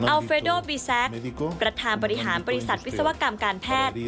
อัลเฟดอลบิซักประธานบริหารบริษัทวิศวกรรมการแพทย์